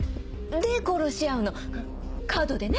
で殺し合うのカードでね。